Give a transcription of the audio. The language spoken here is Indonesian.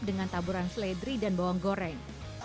dengan taburan seledri dan bawang goreng